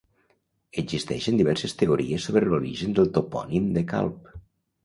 Existeixen diverses teories sobre l'origen del topònim de Calp.